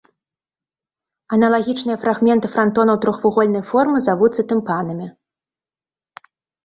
Аналагічныя фрагменты франтонаў трохвугольнай формы завуцца тымпанамі.